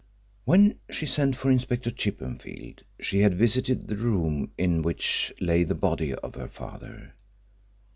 When she sent for Inspector Chippenfield she had visited the room in which lay the body of her father.